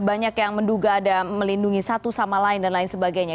banyak yang menduga ada melindungi satu sama lain dan lain sebagainya